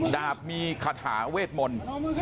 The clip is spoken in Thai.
ดาบมีคาถาเวทมนต์